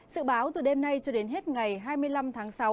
sự báo từ đêm nay cho đến hết ngày hai mươi năm tháng sáu